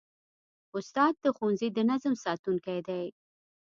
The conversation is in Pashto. استاد د ښوونځي د نظم ساتونکی دی.